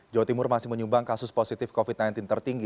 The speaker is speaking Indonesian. jawa timur masih menyumbang kasus positif covid sembilan belas tertinggi